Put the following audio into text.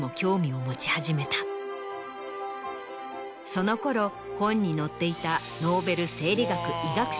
その頃本に載っていた。